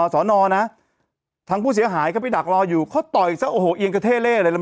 สอนอนะทางผู้เสียหายเขาไปดักรออยู่เขาต่อยซะโอ้โหเอียงกระเท่เล่เลย